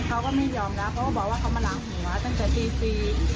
เขาก็ไม่ยอมรับเพราะว่าบอกว่าเขามาล้างหัวตั้งแต่ที่สี่